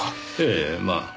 ええまあ。